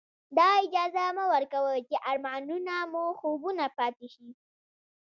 دا اجازه مه ورکوئ چې ارمانونه مو خوبونه پاتې شي.